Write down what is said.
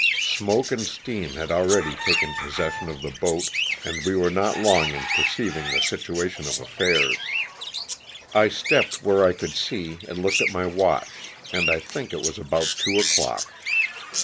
Smoke and steam had already taken possession of the boat, and we were not long in perceiving the situation of affairs. I stepped where I could see and looked at my watch, and I think it was about two o'clock.